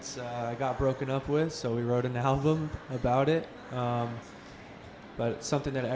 saya terpisah dengan lagunya